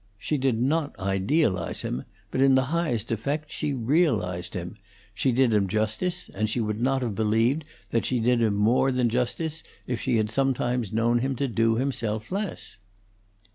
She did not idealize him, but in the highest effect she realized him; she did him justice, and she would not have believed that she did him more than justice if she had sometimes known him to do himself less.